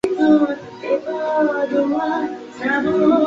সংগে ছিল নিজের একগুচ্ছ রচনার ইংরেজি অনুবাদ।